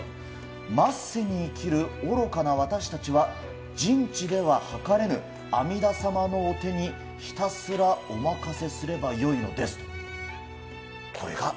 末世に生きる愚かな私たちは、人知でははかれぬあみだ様のお手にひたすらお任せすればよいのですと。